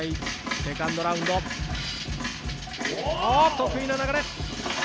得意な流れ。